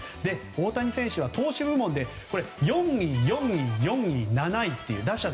大谷選手は投手部門で４位、４位、４位、７位という。